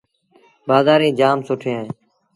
بآزآريٚݩ جآم سُٺيٚن اهيݩ۔